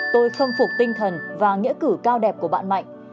tôi khâm phục tinh thần và nghĩa cử cao đẹp của bạn mạnh